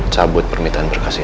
cabut permintaan berkas ini